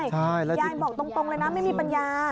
ยายบอกตรงเลยนะไม่มีปัญญา